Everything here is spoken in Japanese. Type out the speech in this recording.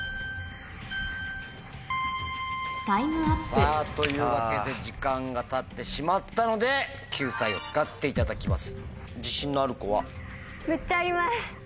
さぁというわけで時間がたってしまったので救済を使っていただきます。